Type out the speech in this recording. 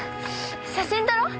写真撮ろう。